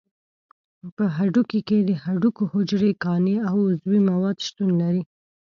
په هډوکي کې د هډوکو حجرې، کاني او عضوي مواد شتون لري.